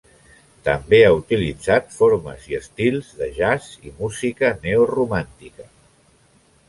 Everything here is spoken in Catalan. També ha utilitzat formes i estils de jazz i música neoromàntica.